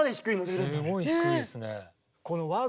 すごい低いですね。